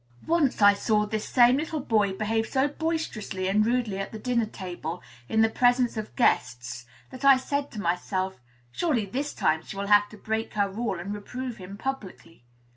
Once I saw this same little boy behave so boisterously and rudely at the dinner table, in the presence of guests, that I said to myself, "Surely, this time she will have to break her rule, and reprove him publicly."